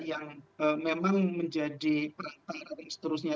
yang memang menjadi perantara dan seterusnya